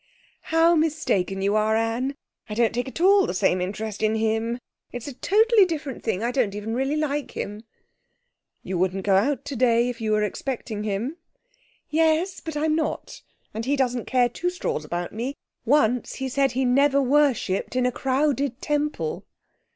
'How mistaken you are, Anne! I don't take at all the same interest in him. It's a totally different thing. I don't really even like him.' 'You wouldn't go out today if you were expecting him.' 'Yes, but I'm not ... and he doesn't care two straws about me. Once he said he never worshipped in a crowded temple!'